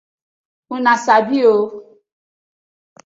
Una sabi os?